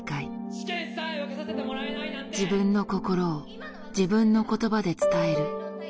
「自分の心を自分の言葉で伝える」。